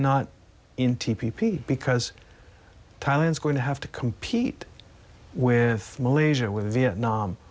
ในทุกเมืองจริงในกรรมที่ไม่ใช้สถานีทฤษฐาน